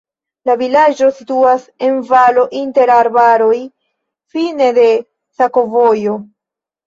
La vilaĝo situas en valo inter arbaroj, fine de sakovojo.